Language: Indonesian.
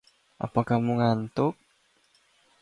Apa kamu ngantuk?